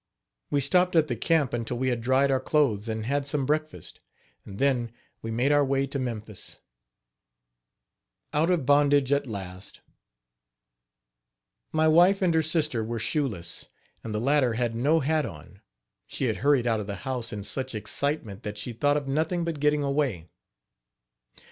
We stopped at the camp until we had dried our clothes and had some breakfast; and, then, we made our way to Memphis. OUT OF BONDAGE AT LAST. My wife and her sister were shoeless, and the latter had no hat on she had hurried out of the house in such excitement that she thought of nothing but getting away.